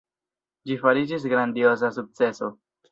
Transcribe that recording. Ĝi fariĝis grandioza sukceso.